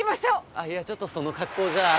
あいやちょっとその格好じゃ。